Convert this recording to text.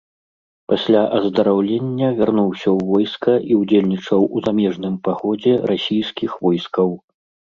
Пасля аздараўлення вярнуўся ў войска і ўдзельнічаў у замежным паходзе расійскіх войскаў.